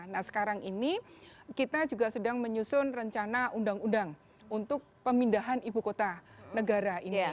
nah sekarang ini kita juga sedang menyusun rencana undang undang untuk pemindahan ibu kota negara ini